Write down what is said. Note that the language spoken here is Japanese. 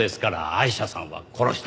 アイシャさんは殺した。